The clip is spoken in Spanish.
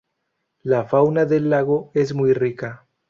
La fauna del lago es muy rica.